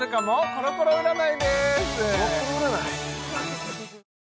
コロコロ占い